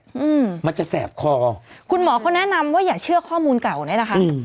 อืมมันจะแสบคอคุณหมอเขาแนะนำว่าอย่าเชื่อข้อมูลเก่าเนี้ยนะคะอืม